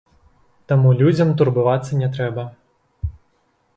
Таму людзям турбавацца не трэба.